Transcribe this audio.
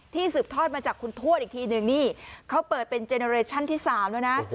สืบทอดมาจากคุณทวดอีกทีนึงนี่เขาเปิดเป็นเจเนอเรชั่นที่๓แล้วนะ